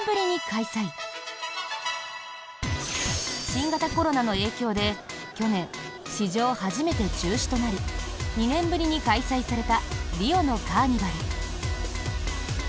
新型コロナの影響で去年、史上初めて中止となり２年ぶりに開催されたリオのカーニバル。